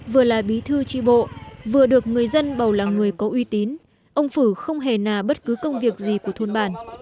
vừa là bí thư tri bộ vừa được người dân bầu là người có uy tín ông phử không hề nà bất cứ công việc gì của thôn bản